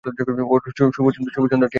শুভ সন্ধ্যা Tiana, অসাধারণ party.